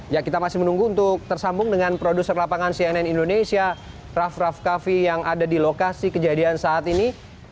ya kita masih menunggu untuk tersambung dengan produser lapangan cnn indonesia raff raff kaffi yang ada di lokasi kejadian saat ini